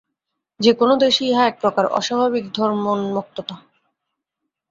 যে-কোন দেশে ইহা এক প্রকার অস্বাভাবিক ধর্মোন্মত্ততা।